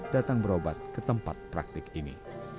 datang berobat ke tempat praktik ini